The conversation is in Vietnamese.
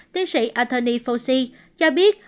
tiến sĩ anthony fauci cho biết